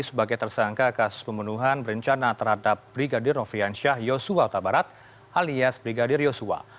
sebagai tersangka kasus pembunuhan berencana terhadap brigadir noviansyah yosua utabarat alias brigadir yosua